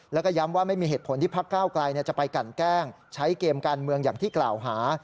แล้วก็ย้ำว่าไม่มีเหตุผลที่พักก้าวไกลจะไปกันแกล้งใช้เกมการเมืองอย่างที่กล่าวหา